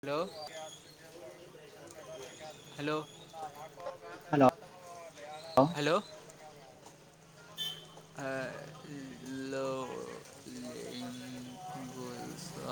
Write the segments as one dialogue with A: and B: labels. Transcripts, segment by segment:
A: Hello. Hello
B: hello
A: hello. Hello ಗೂಸ.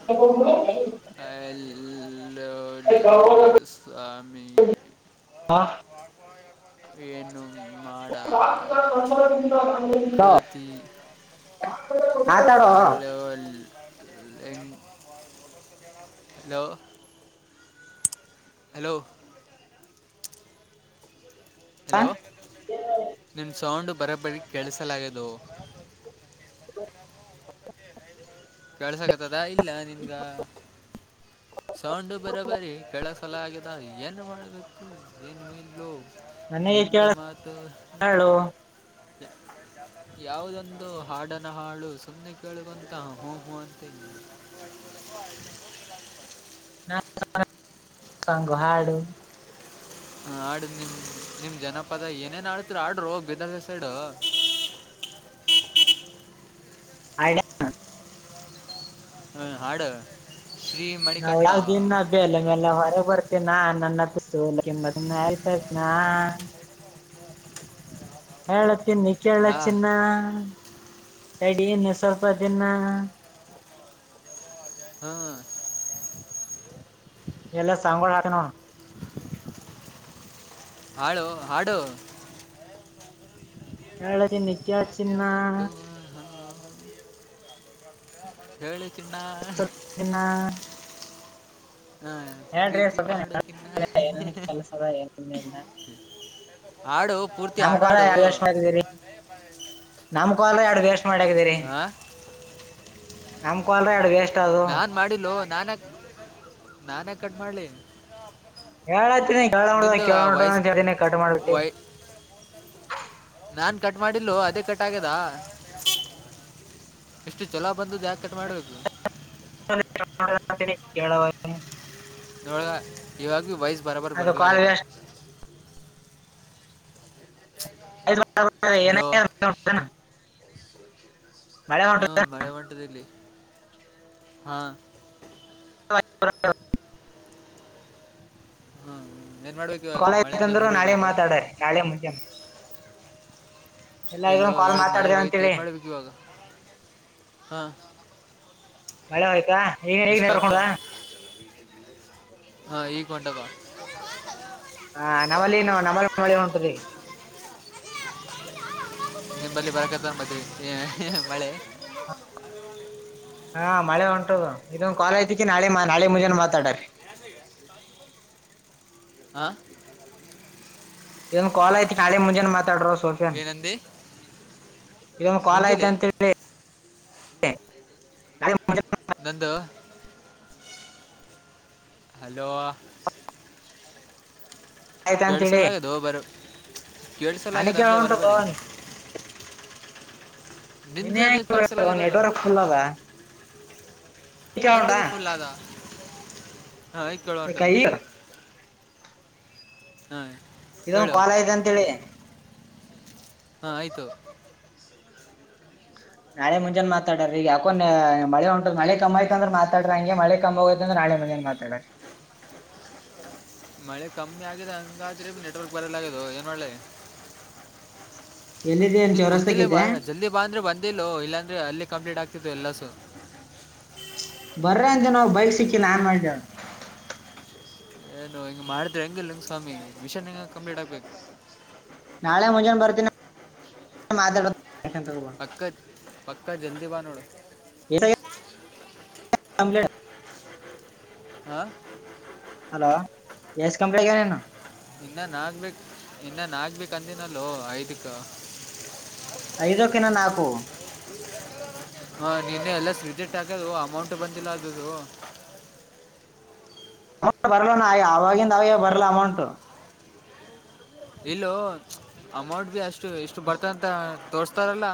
A: [inaudible]
B: A ಹ.
A: Hello ಲಿಂಗು ಸ್ವಾಮಿ.
B: ಹಾ.
A: ಏನು. ಮಾಡಕತಿ
B: [inaudible]
A: ಹಲೋ. ಹಲೋ. ಹಲೋ. ಹಲೋ ನಿನ್ ಸೌಂಡ್ ಬರಬರಿ ಕೇಳಿಸಲಾಗೆದೋ.
B: [inaudible]
A: ಕಳ್ಸಕತದ ಇಲ್ಲ ನಿನ್ಗ. ಸೌಂಡು ಬರಬರಿ ಕೆಳಸಲಾಗೆದ ಏನು ಮಾಡಬೇಕು ಏನು ಇಲ್ಲೊ.
B: ನನಗೆ ಕೇಳಸ್ ಳೋ.
A: [inaudible] ಯಾವದೊಂದು ಹಾಡನ ಹಾಳು ಸುಮ್ಮ್ನೆ ಕೇಳಗೊಂತ ಹೂ ಹೂ ಅಂತೆ.
B: ನಾ ಸಂಘ ಹಾಡು
A: ಹ ಆಡ ನಿಮ್ ನಿಮ್ ಜನಪದ ಏನೇನ್ ಆಡ್ತಿರು ಆಡ್ರ ಹೋಗ ಬೀದರ್ ಸೈಡ್
B: ಆಯಡಿಯ
A: ಹ ಹಾಡು ಶ್ರೀ
B: ನಾವು
A: ಮಣಿಕಂಠ
B: ಯ ಬೆಲೆ ಮೇಲೆ ಹೊರ ಬರ್ತಿನಾ ನನ್ನಸ ಆಯ್ತನಾ ಹೇಳ ತಿನ್ನಿ ಕೇಳ
A: ಆ
B: ಚಿನ್ನ ತಡನ್ನು ಸ್ವಲ್ಪ ತಿನ್ನ
A: ಹಾ
B: ಎಲ್ಲ ಸಾಂಗೋ ಹಾಕನೋ
A: ಹಾಡು ಹಾಡು
B: ಹೇಳಳ ಚಿನ್ನ ಕ ಚಿನ್ನ
A: ಹ ಹೇಳಿ ತಿನ್ನ
B: ಇನ್ನು
A: ಹಾ
B: ಹೇಳ್ರಿ
A: ಪ್ರೀತಿ ಮಾಡೋಕನ್ನ
B: ಅವ ಎಲ್ಲ
A: ಹ್ಮ
B: ನಮ ಕಾಲ ಎರಡು ಎಷ್ಟ ಆಗಿದ್ದೀರಿ ನಮ ಕ ಅಾಲ ಎರಡುಗೆ ಎಷ್ಟ ಮಾಡಕಿದೀರಿ
A: ಹಾಂ
B: ನಮಕಲ್ರ ಅಡುಗೆ ಎಷ್ಟ ಅದು
A: ಮಾಡಿಲ್ಲ ನಾನ ನಾನ ಕಟ್ ಮಾಡ್ಲಿ
B: ಹೇಳತಿನಿ ಕೆೇಳ ಹೊೋಡ ಕೆೇಳಡ
A: ವಾಯ್ಸ್
B: ಅ ಅದಿನೇ ಕಟ್ ಮಾಡ್ಬಿಟ್ಟಿ
A: ನಾನ್ ಕಟ್ ಮಾಡಿಲ್ಲು ಅದೇ ಕಟ್ ಆಗ್ಯದ ಎಷ್ಟು ಚಛಲೋ ಬಂದು ಜಾಕೆಟ್ ಮಾಡ್ಬೇಕು?
B: [unintelligible]
A: ನಳಗ ಇವಾಗ ಭ ವಯಸ್ ಬರಬರ್
B: ಅದು ಕಾಲ್
A: ಬರಲಾಗತ್
B: ವೇಸ್ಟ್
A: ಹ
B: ಏನ
A: ಹ ಮಳೆ ಹೊಂಟದ ಇಲ್ಲಿ ಹಾ
B: [unintelligible]
A: ಹ್ಮ ಏನ್ ಮಾಡ್ಬೇಕು? ಇವಾಗ ಮಳೆಯಿಂದ
B: ಕಲಯತಂದ್ರು
A: ದೂರ
B: ನಾಳೆ
A: ಹೋಗ್ಬೇಕು
B: ಮಾತಾಡಾರೆ ನಾಳೆ ಮುಂದೆ
A: ಇಲ್ಲೋ
B: ಇದೊಂದು ಕಾಲ್
A: ಇವಾಗ ಮಳೆ
B: ಮಾತಾಡ್ದೆ
A: ಹೋಯ್ತು
B: ಅಂತೇಳಿ
A: ಏನ್ ಮಾಡ್ಬೇಕು ಇವಾಗ ಹಾ
B: ಮಳೆ ಆಯ್ತಾ?
A: ಎಷ್ಟ ಆಗ್ತ ಹಾ ಈಗ ಹೊಂಟದ.
B: ಹ ನಮಲ ನು ನಮ್ಮಲ್ ಮಳೆ ಹೊಂಟ್ರರಿ.
A: ನಿ್ಲ್ಲಿ ಬರಕತ್ತ ಮತ್ತವಿ ಮಳೆ.
B: ಹಾ ಮಳೆ ಉಂಟು ಇದೊಂದು ಕಾಲ ನಾಳೆ ನಾಳೆ ಮುಂಜಾನ ಮಾತಾಡ್ರರಿ
A: ಆ
B: ಇದಂದು ಕಾಲ್ ಐತಿ ಹಳ ಮುಂಜಾನೆ ಮಾತಾಡ್ರೋ ಸರ್
A: ಏನಂದಿ?
B: ಇದೊಂದು ಕಾಲ್ ಆಯ್ತ
A: ಮುಂಜಾನೆ
B: ಅಂತೇಳಿ
A: ನಂದು ಹಲೋ
B: ಆಯ್ತು ಅಂತೇಳಿ
A: ಕೇಳಿಸಲಾಗದು ಬರ
B: ನನಗೆ
A: ಕೇಳಿಸಲಾಗಿದೆ
B: ಕೇಳ
A: ಅಂದೆ
B: ಹೊಂಟದ
A: ಬರೋಬರಿೀ ನಿಂದ
B: ನಿನ್ನೆ
A: ನೀ ಕಳ್ಸಲಾಗದಲ್ಲ
B: ನೆಟ್ವರ್ಕ್ ಫುಲ್ ಅದ
A: ನ್ದ
B: ಕೇಳೋಣಾ
A: ಬಿಫುಲಾದ ಹ
B: ಕ ಈ
A: ಹಾ
B: ಇದೊಂದು ಕಾಲ ಐತ ಅಂತ ಹೇಳಿ
A: ಹಾ ಆಯ್ತು
B: ನಾಳ ಮುಂಜಾನೆ ಮಾತಾಡ್ರ ಈಗ ಯಾಕೋ ನ ಮಳೆ ಹೊಂಟದ ಮಳೆ ಕಮ್ಮ ಆಯ್ತ ಅಂದ್ರ ಮಾತಾಡ್ರಿ ಹಂಗೆ ಮಳೆ ಕ ಹೋಗೆ ಅ ನಾಳೆ ಮನೇನ್ ಮಾತಾಡರಿ
A: ಮಳೆ ಕಮ್ಮಿ ಆಗಿದೆ ಹಂಗಾದ್ರೆ ಬಿ ನೆಟ್ವರ್ಕ್ ಬರಲ ಆದು ಏನ್ ಒಳ್ಳೆ
B: ಎಲ್ಲಿದ್ದಿ ಅಂತ
A: ನಿನ್ ಮುಂಜೆಿಲ್ಲೆ ಬಾ
B: ಚೌರಸ್ತಾಗಿದ್ದೆ
A: ಜಲ್ದಿ ಬಾಂದ್ರೆ ಬಂದಿಿಲ್ಲೋ ಇಲ್ಲಾಂದ್ರೆ ಅಲ್ಲಿ ಕಂಪ್ಲೀಟ್ ಆಗ್ತಿತ್ತು ಎಲ್ಲಸು
B: ಬರ್ರ ಅಂತ ನಾವು ಬೈಕ್ ಸಿಕ್ಕಿಲ್ಲ ಆಾನ್ ಮಾಡಿದಳ
A: ಏನು ಹಿಂಗ ಮಾಡಿದ್ರೆ ಹೆಂಗಿಲ್ಲ ಹಂಗ ಸ್ವಾಮಿ ಮಿಷನ್ ಹಂಗ ಕಂಪ್ಲೀಟ್ ಆಗ್ಬೇಕು
B: ನಾಳೆ ಮುಂಜಾನೆ ಬರ್ತೀನಿ ಮಾತಾಡ ತಗೋಬೋ
A: ಪಕ್ಕ ಪಕ್ಕ ಜಂದಿ ಬಾನೋಡು
B: ಎ ಅಮಲೆ
A: ಹಾ
B: ಹಲೋ ಗಸ್ ಕಂಪ್ನಿಗನೇನು
A: ಇನ್ನ ನಾಗಬೇಕಕ್ ಇನ್ನ ನಾಗಬೇಕಕ್ ಅಂದಿನಲ್ಲೋ ಐದಕ್ಕ
B: ಐದಕ್ಕನ್ನ ನಾಲ್ಕು
A: ಹಾ ನಿನ್ನೆ ಎಲ್ಲ ವಿಸಿಟ್ ಹಾಕ್ಯದು ಅಮೌಂಟ್ ಬಂದಿಲ್ಲ ಅದದು
B: ಅಮೌಂಟ್ ಬರಲ ನ ಅವವಾಗಿಂದ ಅವೇ ಬರಲ್ಲ ಅಮೌಂಟ್
A: ಇಲ್ಲೂ ಅಮೌಂಟ್ ಭ ಅಷ್ಟು ಎಷ್ಟು ಬರ್ತ ಅಂತ ತೋರ್ಸ್ತಾರಲ್ಲ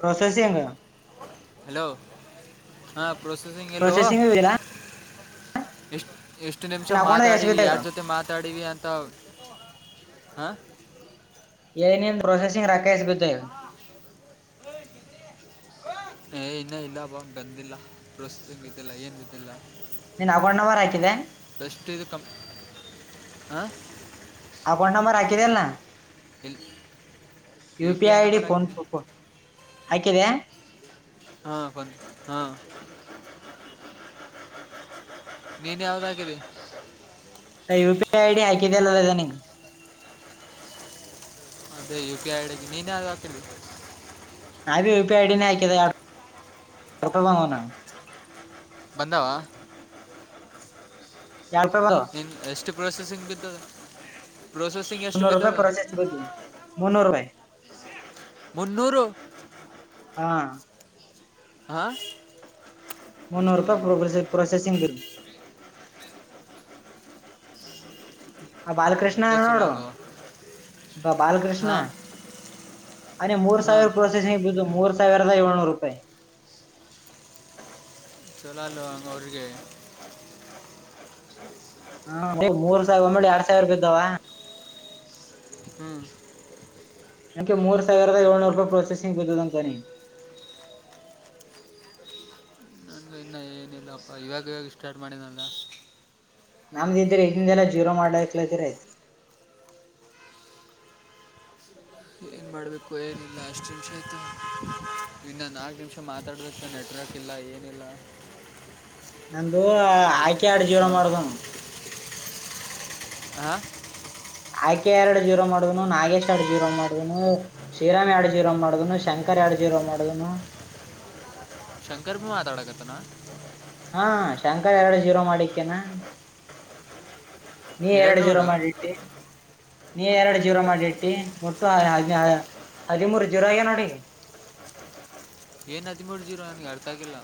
B: ಪ್ರೊಸೆಸಿಂಗ್
A: ಹಲೋ ಹಾ ಪ್ರಸೇಸಿಂಗ್ ಎಲೋ
B: ಪ್ರೊಸೆಸಿಂಗ್ ಇಲ್ಲ
A: ಇಷ್ಟ ಎಷ್ಟು ನಿಮಿಷ
B: ನಿನ್ನ ಅಕೌಂಟ್ ಎಸ್
A: ಮಾತಾಡವಿ
B: ಬಿದ್ದಾಗ
A: ಯಾರ್ ಜೊತೆ ಮಾತಾಡಿವಿ ಅಂತ ಹಾ
B: ಏನನ್ ಪ್ರೊಸೆಸಿಂಗ್ ರಾಕಾಯಸ್್ಬ
A: ಹ ಏ ಇನ್ನ ಇಲ್ಲ ಬ ಬಂದಿಲ್ಲ ಪ್ರಸ್ತುತಿ ಗತಿಲ್ಲ ಏನ್ ಗತಿಿಲ್ಲ
B: ನೀನು ಹಗೊಂಡನವಾರ ಹಾಕಿದೆ
A: ಸ್ ಇದು ಕಂ ಹ
B: ಅಕೌಂಟ್ ನಂಬರ್ ಆಾಕಿಿದೆಲ್ಲಾ
A: ಇಲ್ಲಿ
B: U P I I D ಫೋನ್ಕ ಆಯಕಿದೆ
A: ಹಾ ಕೊ ಹಾ ನೇನ್ ಯಾವದಾಗಲಿ
B: ಯು ಪಿ ಐ ಡಿ ಆಕಿದೆ ಅಲ್ಲದೆ ನಿಗೆ
A: ಅದೇ ಯು ಪಿ ಐಡಗ ನೀನೇ ಅದು ಹಾಕಿಳ್ಬೇಕ
B: ನಾ ಬಿ ವಿಪಿ ಐಡಿನ ಆಯಕಪ ಬಂಗನು
A: ಬಂದಾವ
B: ಯಾರಪಾಯಿ ಬಲ್ಲ
A: ಇನ್ ಎಷ್ಟು ಪ್ರೋಸೆಸಿಂಗ್ ಬಿದ್ದದ ಪ್ರೊಸೆಸಿಂಗ
B: ಮನೋಹರ ಭಾಯ ಪರಚಯ ಬ ಮನೋಹರ ಭಾಯ
A: ಮುನ್ನೂರು
B: ಹಾ
A: ಹಾ
B: ಮುನ್ನೂರು ರೂಪಾಯಿ ಪ್ರ ಪ್ರೊಸೆಸಿಂಗ್ ಬಿಲ್ ಬ ಬಾಲಕೃಷ್ಣ
A: ನಿಂದ ಚಲೋ
B: ನೋಡು
A: ಅಲ್ವ
B: ಬಾಲಕೃಷ್ಣ
A: ಹಾಂ
B: ಅ ಮೂರು
A: ಹಾಂ
B: ಸಾವಿರ ಪ್ರೊಸಸಂಗ ಬ ಮೂರು ಸಾವರದ ಏಳನರು ರೂಪಾಯಿ
A: ಚೋಲಾಲು ಅವ್ರರಿಗೆ
B: ಹ ಮೂರ್ ಸಾವಿರ ಒಂಬಳ ಎರಡ್ ಸಾವಿರ ರೂಪ ಇದಾವ
A: ಹ್ಮ್
B: ನನ್ಗೆ ಮೂ ಸಾವಿರದ ಏಳ್ನೂರು ರೂಪಿ ಪ್ರಸೆಸಿ್ ಬಿದ್ದದ ಅಂತಾನಿ
A: [inaudible] ಇಲ್ಲಪ್ಪ ಇವಾಗ ಇವಾಗ ಸ್ಟಾರ್ಟ್ ಮಾಡಿದಲ್ಲ
B: ನಮ್ದ ಇದ್ರೆ ಇದಿಂದೆಲ್ಲಾ ಜೀವ್ನ ಮಾಡ್ಲಾಕತಿರೆ.
A: ಏನ್ ಮಾಡ್ಬೇಕು ಏನಿಲ್ಲ ಅಷ್ಟು ನಿಮ್ಷ ಆಯ್ತು ಇನ್ನ ನಾಲ್ಕು ನಿಮ್ಷ ಮಾತಾಡ್ ತ ನೆಟ್ವರ್ಕ್ ಇಲ್ಲ ಏನಿಲ್ಲ.
B: ನಂದು ಆಯ್ಕೆ ಆಡ್ ಜೀವ್ನ ಮಾಡ್ದನು.
A: ಆ
B: ಆಯ್ಕೆ ಎರಡ್ ಜೀವ್ನ ಮಾಡ್ದನು ನಾಗೇಶ್ ಎರಡ್ ಜೀವ್ನ ಮಾಡುದ್ರುನು. ಶ್ರೀರಾಮ್ ಎರಡು ಜೀರೋ ಮಾಡ್ನು ಶಂಕರ್ ಎರಡು ಜೀರೋ ಮಾಡುದನು.
A: ಶಂಕರ್ ಬಿ ಮಾತಾಡಕತನ.
B: ಹಾ ಶಂಕರ್ ಎರಡ್ ಜೀರೋ ಮಾಡಿಕ್ಯಾನ. ನೀ
A: ಎರಡು
B: ಎರಡ್ ಜೀರೋ
A: ನೂರು
B: ಮಾಡಿಟ್ಟಿ. ನೀ ಎರಡ್ ಜವರಾ ಮಾಡಿಟ್ಟಿ ಒಟ್ಟು ಹದ್ ಹದಿಮೂರು ಜೀರೊ ಆಗ್ಯ ನೋಡಿ.
A: ಏನ್ ಹದ್ಮೂರ್ ಜೀರೋ ಅಗ್ಲ್ ಅರ್ಥ ಆಗಿಲ್ಲ.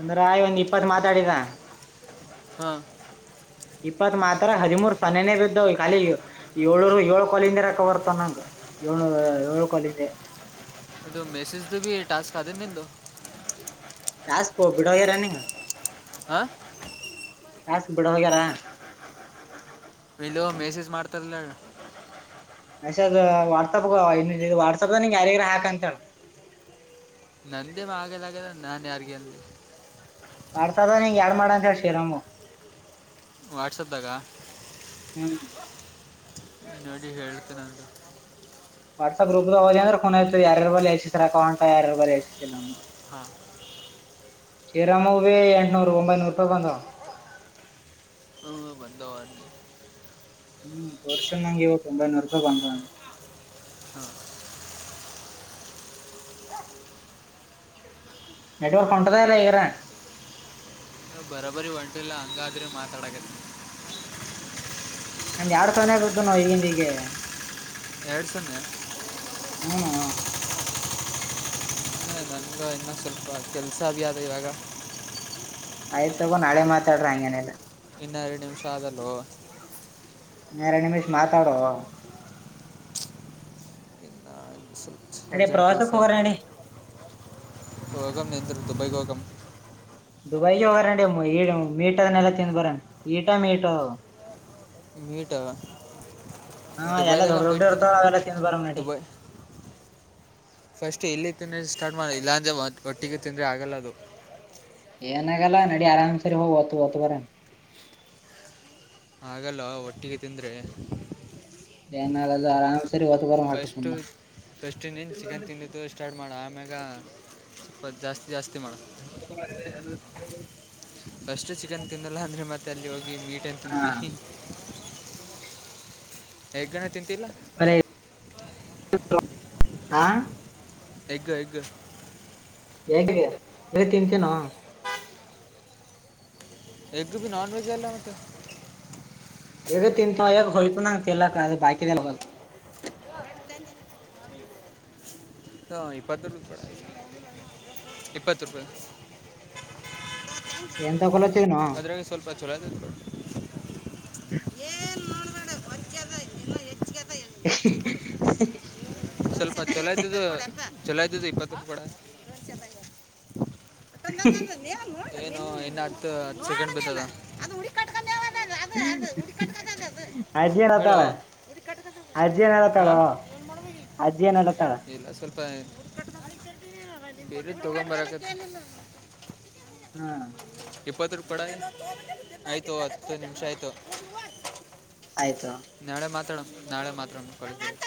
B: ಅಂದ್ರ ಇವ್ನ್ ಒಂದ್ ಇಪ್ಪತ್ ಮಾತಾಡಿದ.
A: ಹಾ
B: ಇಪ್ಪತ್ ಮಾತ್ರ ಹದಿಮೂರ್ ಸನ್ನೆನೆ ಬಿದ್ದವ್ ಕಾಲಿ ಏಳೂರು ಏಳ್ ಕೊಲಿಂದ್ ಹಾಕ ಬರ್ತವ್ ನಂಗ. ಯೊಳ್ನೂರ ಯೊಳು ಕಾಲಿದೆ.
A: ಇದು ಮೆಸೇಜ್ ದಬಿ ಟಸ್ಕ್ ಆದೆನ್ ನಿಂದು.
B: ಟಾಸ್ಕ್ ಒ ಬಿಡೋಗ್ಯಾರ್ ನಿಂಗ.
A: ಹಾ
B: ಟಾಸ್ಕ್ ಬಿಡ್ ಹೋಗ್ಯಾರ.
A: ವಿಲೊ ಮೆಸೇಜ್ ಮಾಡತಾರೀಲ್ಹೇಳ್.
B: ಮೆಸೇಜ್ ವಾಟ್ಸಪ್ಗ ಇನ್ ವಾಟ್ಸಪ್ದ ಯಾರಿಗ್ಯಾರ ಹಾಕ ಅಂತ ಹೇಳ್.
A: ನಂದೆನೋ ಆಗೆಲ್ ಆಗ್ಯಲ್ಲ ನಾನ್ ಯಾರ್ಗೆ ಅನ್ಲಿ.
B: ಮಾಡ್ಸ್ರದಾ ನಿನ್ಗ್ ಎರ್ಡ್ ಮಾಡ ಅಂತ ಹೇಳಿ ಶ್ರೀರಾಮು.
A: ವಾಟ್ಸಪ್ದಗ.
B: ಹು
A: ನೋಡಿ ಹೇಳ್ತಿನಂದ.
B: ವಾಟ್ಸ್ಆಪ್ ಗ್ರೂಪ್ ಹೋದ ಅಂದ್ರ [unintelligible] ಅಕೌಂಟ್ [unintelligible]
A: ಹಾ
B: ಶೀರಾಮೊ ಬಿ ಎಂಟ್ನೂರು ಒಂಬೈನೂರು ರೂಪಾಯಿ ಬಂದವ.
A: ದೊ.
B: ಹ್ಮ್ ತೋರ್ಸಯನ್ ನಂಗೆ ಇವತ್ ಒಂಬೈನೂರು ರೂಪಾಯ್ ಬಂದೆದಂತ್. ನೆಟ್ವರ್ಕ್ ಹೊಂಟದ ಇಲ್ಲ ಇರ.
A: ಬರೋಬರಿ ಒಂಟಿಲ್ಲ ಹಂಗಾದ್ರೆ ಮಾತಾಡಕತೆ.
B: ನಂದ ಎಡ್ ಸೊನ್ನೆ ಬತನೊ ಈಗಿಂದ್ ಹೀಗೆ.
A: ಎಡ್ ಸೊನ್ನೆ.
B: ಹೂ ನೊ.
A: ನಂಗ ಇನ್ನ ಸ್ವಲ್ಪ ಕೆಲ್ಸ ಅಬಿ ಆದ ಇವಾಗ.
B: ಆಯ್ತ್ ತಗೊ ನಾಳೆ ಮಾತಾಡ್ರ ಹಂಗೇನಿಲ್ಲ.
A: ಇನ್ನ ಎರ್ಡ್ ನಿಮ್ಷ ಆದಲ್ಲೂ.
B: ಇನ್ ಎರ್ಡ್ ನಿಮ್ಷ್ ಮಾತಾಡೊ.
A: ಆ [unintelligible]
B: ಅಡೇ ಪ್ರಾವಾಸಕ್ ಹೋಗೋ ನೆಡಿ.
A: ಹೋಗೋಮ್ ನಿಂದ್ರು ದುಬೈ ಗೋಗಂ.
B: ದುಬೈಗೆ ಹೋಗಾರಡಿ ಈ ಮೀಟನೆಲ್ಲ ತಿಂದ್ ಬರನ್ ಈಟಾ ಮೀಟೊ.
A: ಮೀಟ
B: ಹಾ ಎಲ್ಲ
A: ದುಬೈದಾಗ
B: ದೊಡ್ಡ ದೊಡ್ಡ
A: ಮೀಟ್ ತಿನ್ನೋ
B: ಇರ್ತಾವ ಅವೆಲ್ಲ ತಿಂದ್ ಬರಮ್ ನಡಿ
A: ದುಬೈ. ಫಸ್ಟ್ ಎಲ್ಲಿ ತಿಂದ್ರೆ ಸ್ಟಾರ್ಟ್ ಮಾಡ ಇಲ್ಲಾಂದ್ರೆ ಒಟ್ಟಿಗೆ ತಿಂದ್ರೆ ಆಗಲ್ಲ ಅದು.
B: ಏನ್ ಆಗಲ್ಲಾ ನಡಿ ಆರಾಮ್ ಸರಿ ಹೋಗ್ ಓದ್ ಓದ್ ಬರನ್.
A: ಹಾಗಲ್ಲ ಒಟ್ಟಿಗೆ ತಿಂದ್ರೆ.
B: ಏನಾಗಲ್ಲ ಆರಾಮ್ ಸರಿ ಹೊತ್ತ ಬಾರಂ ಹೊಟ್ಟೆ
A: ಫಸ್ಟು
B: ತುಂಬಾ.
A: ಫಸ್ಟಿನೇನು ಚಿಕನ್ ತಿಂದಿದ್ದು ಸ್ಟಾರ್ಟ್ ಮಾಡೋ ಆಮ್ಯಾಗ ಸ್ವತ್ತು ಜಾಸ್ತಿ ಜಾಸ್ತಿ ಮಾಡೋ
B: [unintelligible]
A: ಫಸ್ಟ್ ಚಿಕನ್ ತಿನ್ನಲ್ಲ ಅಂದ್ರೆ ಮತ್ತೆ ಅಲ್ಲಿ ಹೋಗಿ ಮೀಟ್ ಏನ್
B: ಹಾ
A: ತಿಂತೀವಿ ಯಾಕಣ್ಣ ತಿಂತಿಲ್ಲ
B: [unintelligible] ಹ
A: ಎಗ್ ಎಗ್
B: ಎಗ್ ತಿಂತಿನೋ
A: ಎಗ್ ಬಿ ನನ್ ವೆಜ್ ಇಲ್ಲ ಮತ್ತೆ
B: ಹೇಗ ತಿಂತವಗ ಹೊಲ್ಕು ನ ತಿಲ್ಲಾಕ್ ಅ [unintelligible]
A: ಹ ಇಪ್ಪತ್ತು ರೂಪಾಯಿ ಇಪ್ಪತ್ತು ರೂಪಾಯಿ ಹ [unintelligible]
B: ಏನ್ ತೊಗೊಲೋತಿನೋ
A: ಅದರಾಗ ಸ್ವಲ್ಪ ಚಲೋ ಏನು ನೋಡಬೇಡ ಹೊಂಚದ ಇನ್ನೂ ಹೆಚ್ಚಿಗೆ ಅದ ಹೆಚ್ಚಿಗೆ ಕೊಡು
B: [inaudible]
A: ಸ್ವಲ್ಪ ಚೊಲೋ ಇದ್ದು ಚಲೋ ಇದ್ದ್ದು ಇಪ್ಪತ್ತ ಕೂಡ
B: [inaudible]
A: ಏನು ಇನ್ನು ಹತ್ತು ಹ ಸೆಕಂಡ್ ಬತ್ತದ
B: ಅಜ್ಜಿ ಹೇನೋ
A: ಹೇಳು
B: ಅಂತಲ
A: ಹಾ
B: ಅಜ್ಜಿ ಏನತಾಳ
A: [unintelligible] ಇಲ್ಲ ಸ್ವಲ್ಪ ಬೇರೆ ತಗಂಬರಕ
B: ಹ್ಮ್
A: ಇಪ್ಪತ್ತು ರ ಕಡ ಆಯ್ತು ಹತ್ತು ನಿಮಿಷ ಆಯ್ತು
B: ಆಯ್ತು
A: ನಾಳೆ ಮಾತಾಡಮ್ ನಾಳೆ ಮಾತಡಾಮ್ [unintelligible]